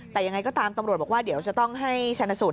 แต่ยังไงก็ตามตำรวจบอกว่าเดี๋ยวจะต้องให้ชนะสูตร